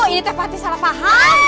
ini tepati salah paham